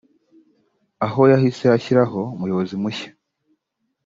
aho yahise ashyiraho umuyobozi mushya